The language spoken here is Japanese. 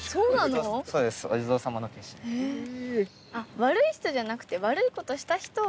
悪い人じゃなくて悪い事した人を。